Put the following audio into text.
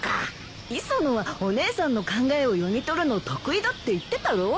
磯野はお姉さんの考えを読み取るの得意だって言ってたろ？